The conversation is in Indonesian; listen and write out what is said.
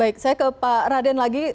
baik saya ke pak raden lagi